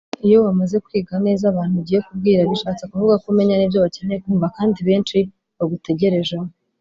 Iyo wamaze kwiga neza abantu ugiye kubwira bishatse kuvuga ko umenya n’ibyo bakeneye kumva kandi benshi bagutegerejemo